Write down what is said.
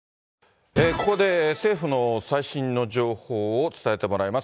ここで、政府の最新の情報を伝えてもらいます。